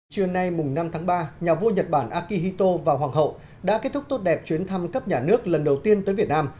trưa nay năm tháng ba nhà vua nhật bản akihito và hoàng hậu đã kết thúc tốt đẹp chuyến thăm cấp nhà nước lần đầu tiên tới việt nam